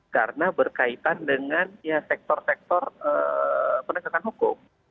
karena berkaitan dengan sektor sektor penegakan hukum